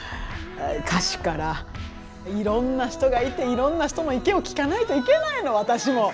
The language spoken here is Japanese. いろんな人がいていろんな人の意見を聞かないといけないの私も。